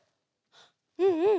うんうん。